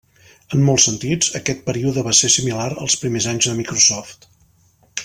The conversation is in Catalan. En molts sentits, aquest període va ser similar als primers anys de Microsoft.